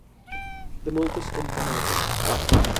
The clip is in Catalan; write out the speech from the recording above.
De moltes campanetes.